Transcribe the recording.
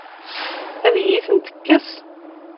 Ad iyi-tent-tekkes?